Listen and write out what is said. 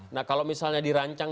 nah kalau misalnya dirancang